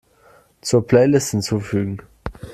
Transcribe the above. Zur Playlist hinzufügen.